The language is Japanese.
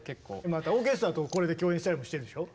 またオーケストラとこれで共演したりもしてるんでしょ？